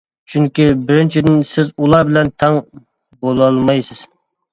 چۈنكى بىرىنچىدىن: سىز ئۇلار بىلەن تەڭ بولالمايسىز.